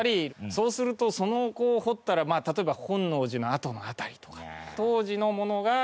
そうするとその掘ったら例えば本能寺の跡の辺りとか当時のものが出てくるという。